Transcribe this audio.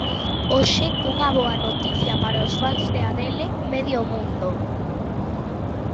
Hoxe cunha boa noticia para os fans de Adele, medio mundo.